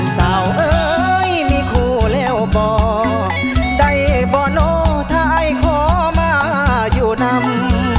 สาวเอ๊ยมีครูแล้วบ่ได้บ่โน้ถ้าไอขอมาอยู่นำ